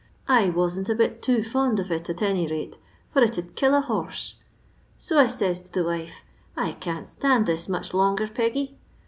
I wasn't a bit too fond of ix, at any rate, for it 'ud kill a horse ; so I ses to the wife, ' I can't stand this much longer, Peggy.'